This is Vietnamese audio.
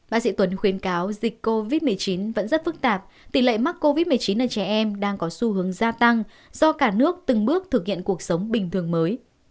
bác sĩ tuấn khuyến cáo dịch covid một mươi chín vẫn rất phức tạp tỷ lệ mắc covid một mươi chín ở trẻ em đang có xu hướng gia tăng do cả nước từng bước thực hiện cuộc sống bình thường mới